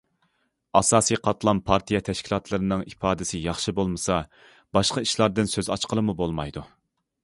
ئاساسىي قاتلام پارتىيە تەشكىلاتلىرىنىڭ ئىپادىسى ياخشى بولمىسا، باشقا ئىشلاردىن سۆز ئاچقىلىمۇ بولمايدۇ.